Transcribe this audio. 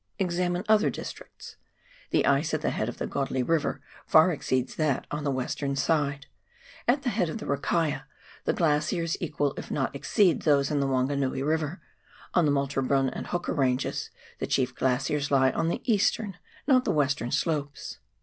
Examine other districts. The ice at the head of the Godley River far exceeds that on the western side ; at the head of the Rakaia, the glaciers equal if not exceed those in the Wanganui River; on the Malte Brun and Hooker Ranges the chief glaciers lie on the eastern, not the tuestern slopes.